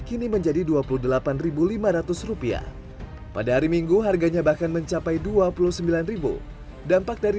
kini menjadi dua puluh delapan lima ratus rupiah pada hari minggu harganya bahkan mencapai dua puluh sembilan dampak dari